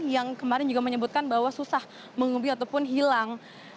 yang kemarin juga menyebutkan bahwa susah mengubing ataupun hilang